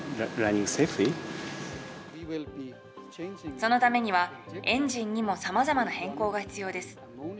そのためには、エンジンにもさまざまな変更が必要です。